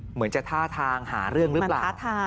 เหมือนจะท่าทางหาเรื่องหรือเปล่า